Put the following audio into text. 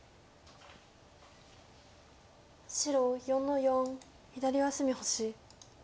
白４の四左上隅星。